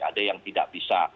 ada yang tidak bisa